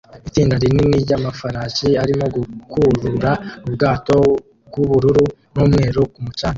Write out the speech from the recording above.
Itsinda rinini ryamafarashi arimo gukurura ubwato bwubururu n'umweru ku mucanga